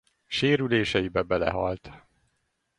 Sérüléseibe belehalt.